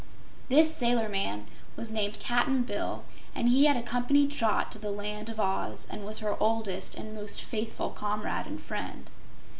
This sailor man was named Cap'n Bill, and he had accompanied Trot to the Land of Oz and was her oldest and most faithful comrade and friend.